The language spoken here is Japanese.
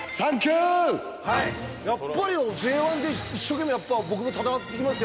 やっぱりＪ１で一生懸命やっぱり、僕も戦っていきますよ。